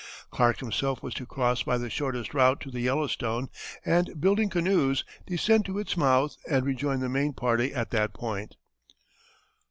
Clark himself was to cross by the shortest route to the Yellowstone, and building canoes, descend to its mouth and rejoin the main party at that point.